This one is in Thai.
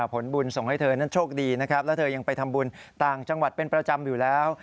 ผลบุญส่งให้เธอนั้นโชคดีนะครับแล้วเธอยังไปทำบุญต่างจังหวัดเป็นประจำอยู่แล้ว